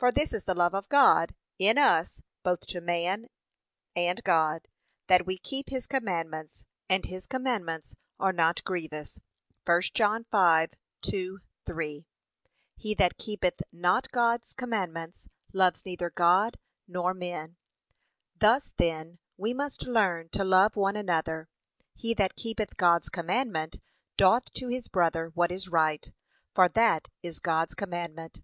For this is the love of God,' in us, both to God and man, 'that we keep his commandments: and his commandments are not grievous.' (1 John 5:2, 3) He that keepeth not God's commandments, loves neither God nor men. Thus then we must learn to love one another. He that keepeth God's commandment, doth to his brother what is right, for that is God's commandment.